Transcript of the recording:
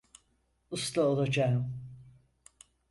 Uslu olacağım.